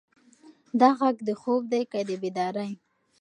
دا غږ د خوب دی که د بیدارۍ؟